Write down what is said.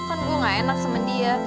kan gue gak enak sama dia